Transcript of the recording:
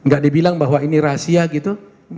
gak dibilang bahwa ini rahasia gitu